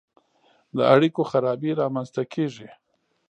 د اړیکو خرابي رامنځته کیږي.